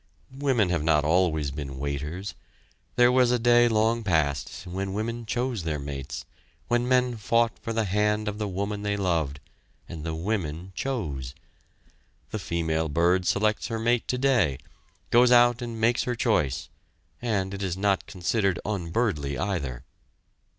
Women have not always been "waiters." There was a day long past, when women chose their mates, when men fought for the hand of the woman they loved, and the women chose. The female bird selects her mate today, goes out and makes her choice, and, it is not considered unbirdly either.